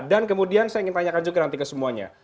dan kemudian saya ingin tanyakan juga nanti ke semuanya